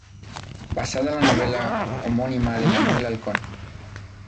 Basada en la novela homónima de Manuel Halcón.